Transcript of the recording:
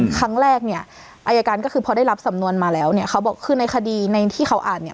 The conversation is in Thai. ครั้งแรกเนี่ยอายการก็คือพอได้รับสำนวนมาแล้วเนี่ยเขาบอกคือในคดีในที่เขาอ่านเนี่ย